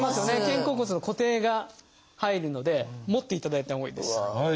肩甲骨の固定が入るので持っていただいたほうがいいです。